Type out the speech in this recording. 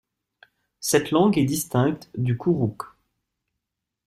Cette langue est distincte du kurukh.